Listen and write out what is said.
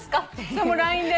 それもＬＩＮＥで。